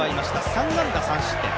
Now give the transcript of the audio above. ３安打３失点。